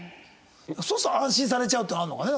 そうすると安心されちゃうってあるのかね？